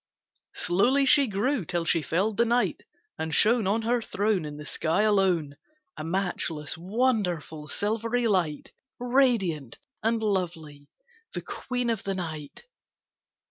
Slowly she grew till she filled the night, And shone On her throne In the sky alone, A matchless, wonderful, silvery light, Radiant and lovely, the Queen of the night.